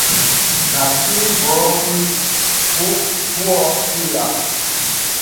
Na piri vo vun bùhʼu pida.